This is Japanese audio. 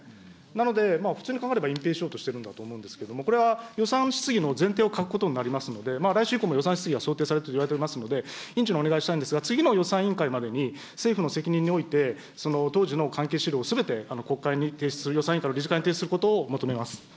なので、普通に考えれば隠蔽しようとしているんだと思うんですが、これは予算質疑の前提を欠くことになりますので、来週以降も予算質疑が想定されているといわれておりますので、委員長にお願いしたいんですが、次の予算委員会までに政府の責任において、その当時の関係資料をすべて国会に提出する、予算委員会の理事会に提出することを求めます。